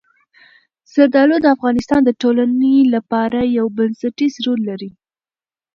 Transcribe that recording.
زردالو د افغانستان د ټولنې لپاره یو بنسټيز رول لري.